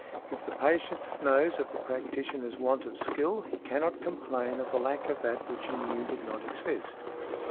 If the patient knows of the practitioner's want of skill, he cannot complain of the lack of that which he knew did not exist.